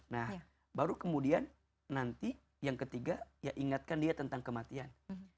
nah baru kemudian nanti yang ketiga ya ingatkan dia tentang kematian